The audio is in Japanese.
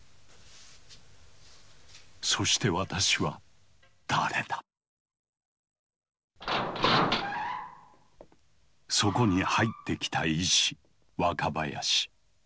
そしてそこに入ってきた医師若林。